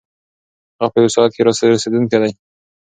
هغه په یوه ساعت کې رارسېدونکی دی.